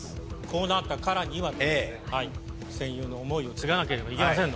こうなったからには戦友の思いを継がなければいけませんのでね。